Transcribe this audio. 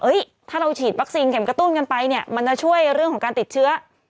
ถ้าเราฉีดวัคซีนเข็มกระตุ้นกันไปเนี่ยมันจะช่วยเรื่องของการติดเชื้อ